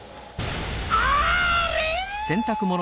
あれ！